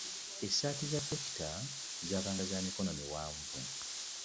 Essati za dokita zabanga za mikono miwanvu.